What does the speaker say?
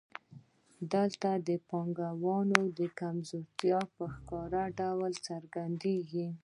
دلته د پانګوال کمزورتیا په ښکاره ډول څرګندېږي